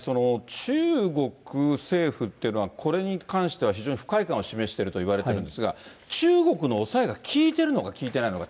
中国政府というのは、これに関しては、非常に不快感を示しているといわれてるんですが、中国のおさえが効いているのか効いていないのか。